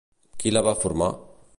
Qui la va formar?